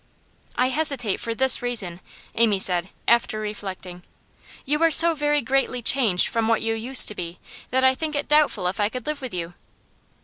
'I hesitate for this reason,' Amy said after reflecting. 'You are so very greatly changed from what you used to be, that I think it doubtful if I could live with you.